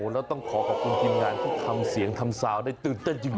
เราต้องขอกับคนกินงานที่ทำเสียงทำซาวน์ได้ตื่นเต้นจริง